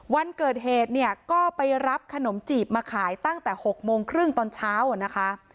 วันเกิดเหตุเนี่ยก็ไปรับขนมจีบมาขายตั้งแต่๖โมงครึ่งตอนเช้านะคะ